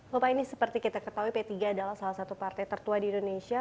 bapak ini seperti kita ketahui p tiga adalah salah satu partai tertua di indonesia